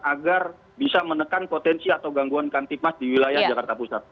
agar bisa menekan potensi atau gangguan kantipmas di wilayah jakarta pusat